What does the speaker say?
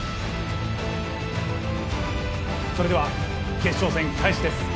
それでは決勝戦開始です。